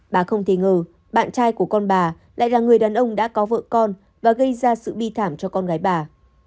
bà không thể ngờ bạn trai của con bà lại là người đàn ông đã có vợ con và gây ra sự bi thảm cho con gái bà